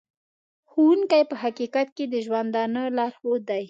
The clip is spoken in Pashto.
ښوونکی په حقیقت کې د ژوندانه لارښود دی.